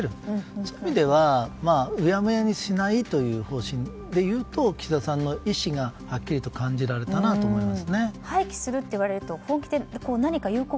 そういう意味ではうやむやにしないという方針でいうと、岸田さんの意思がはっきりと感じられたなと思います。